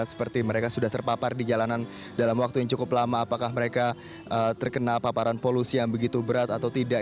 seperti mereka sudah terpapar di jalanan dalam waktu yang cukup lama apakah mereka terkena paparan polusi yang begitu berat atau tidak